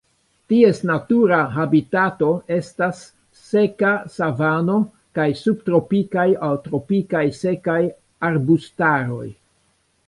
Ties natura habitato estas seka savano kaj subtropikaj aŭ tropikaj sekaj arbustaroj.